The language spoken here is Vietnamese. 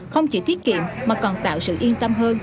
không chỉ tiết kiệm mà còn tạo sự yên tâm hơn